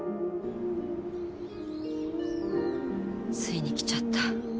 ついに来ちゃった。